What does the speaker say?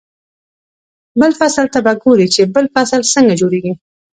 بل فصل ته به ګوري چې بل فصل څنګه جوړېږي.